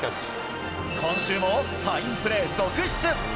今週もファインプレー続出。